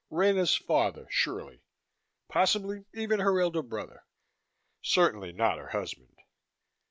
Rena's father, surely. Possibly even her elder brother. Certainly not her husband.